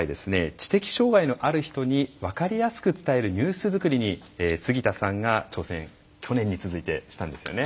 知的障害のある人に分かりやすく伝えるニュース作りに杉田さんが挑戦去年に続いてしたんですよね。